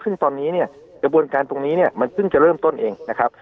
ซึ่งตอนนี้เนี่ยกระบวนการตรงนี้เนี่ยมันเพิ่งจะเริ่มต้นเองนะครับ